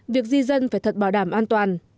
việc di dân phải thật bảo đảm an toàn